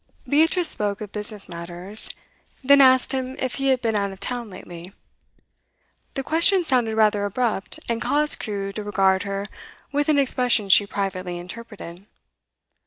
Beatrice spoke of business matters, then asked him if he had been out of town lately. The question sounded rather abrupt, and caused Crewe to regard her with an expression she privately interpreted.